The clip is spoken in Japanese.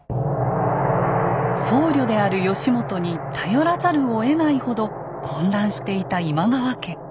僧侶である義元に頼らざるをえないほど混乱していた今川家。